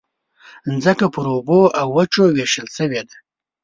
مځکه پر اوبو او وچو وېشل شوې ده.